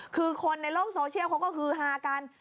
คือคนในโลกโซเชียลเขาก็ฮือฮากัน